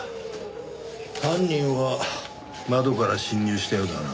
犯人は窓から侵入したようだな。